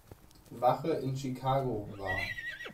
Wache in Chicago war.